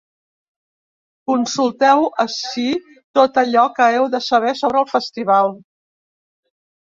Consulteu ací tot allò que heu de saber sobre el festival.